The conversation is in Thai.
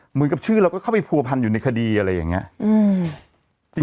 เหมือนกับชื่อเราก็เข้าไปผัวพันอยู่ในคดีอะไรอย่างนี้